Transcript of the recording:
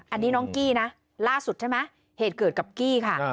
อันนี้น้องกี้นะล่าสุดใช่ไหมเหตุเกิดกับกี้ค่ะ